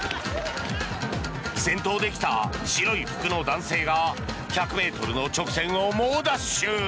先頭で来た白い服の男性が１００ｍの直線を猛ダッシュ。